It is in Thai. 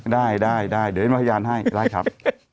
ได้เดี๋ยวเล่นพยายามให้ได้ครับ